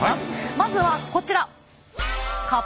まずはこちら。